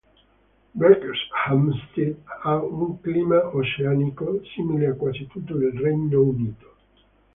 Berkhamsted ha un clima oceanico, simile a quasi tutto il Regno Unito.